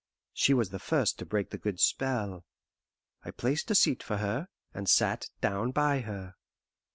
She was the first to break the good spell. I placed a seat for her, and sat down by her.